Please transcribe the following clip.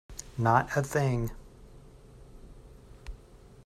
Not a thing.